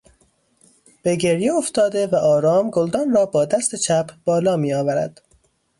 به گریه افتاده و آرام گلدان را با دست چپ بالا میآورد